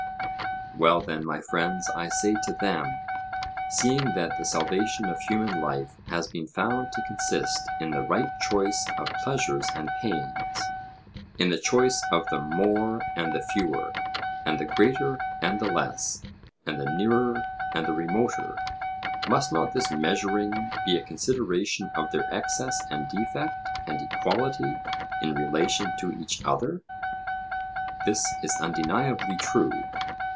Well then, my friends, I say to them; seeing that the salvation of human life has been found to consist in the right choice of pleasures and pains, in the choice of the more and the fewer, and the greater and the less, and the nearer and remoter, must not this measuring be a consideration of their excess and defect and equality in relation to each other? This is undeniably true.